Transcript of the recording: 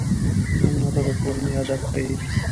مېلمه ته د کورنۍ ادب ښيي.